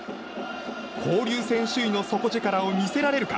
交流戦首位の底力を見せられるか。